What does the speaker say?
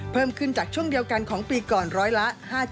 เพิ่มขึ้นจากช่วงเดียวกันของปีก่อนร้อยละ๕๗